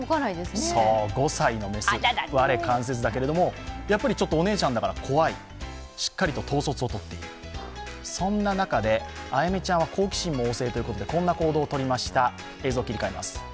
５歳の雌、我関せずだけれども、やっぱりちょっとお姉ちゃんだから怖い、しっかりと統率をとっているそんな中で、あやめちゃんは好奇心も旺盛ということでこんな行動をとりました。